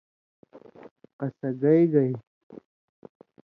قصہ گئ گئ